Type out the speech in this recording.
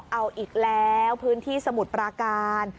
เอาอีกแล้วพื้นที่สมุทรปราการ